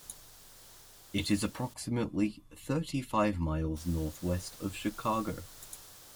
It is approximately thirty-five miles northwest of Chicago.